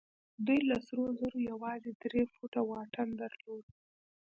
دوی له سرو زرو يوازې درې فوټه واټن درلود.